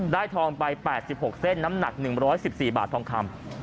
ทองไป๘๖เส้นน้ำหนัก๑๑๔บาททองคำ